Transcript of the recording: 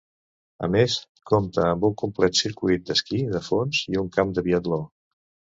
A més, compta amb un complet circuit d'Esquí de Fons, i un camp de Biatló.